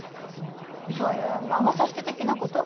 そういう魔が差して的なこと？